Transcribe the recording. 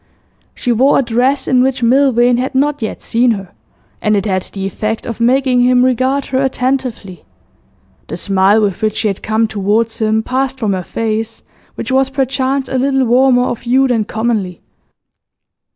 She wore a dress in which Milvain had not yet seen her, and it had the effect of making him regard her attentively. The smile with which she had come towards him passed from her face, which was perchance a little warmer of hue than commonly.